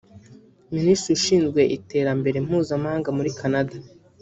Minisitiri ushinzwe iterambere Mpuzamahanga muri Canada